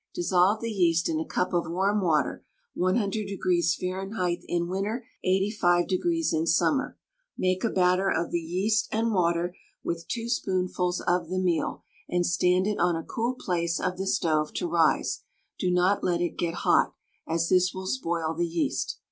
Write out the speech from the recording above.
Dissolve the yeast in a cup of warm water, 100 degrees Fahrenheit in winter, 85 degrees in summer; make a batter of the yeast and water, with two spoonfuls of the meal, and stand it on a cool place of the stove to rise; do not let it get hot, as this will spoil the yeast.